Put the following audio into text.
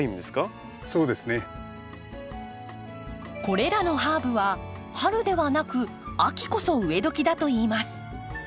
これらのハーブは春ではなく秋こそ植えどきだといいます。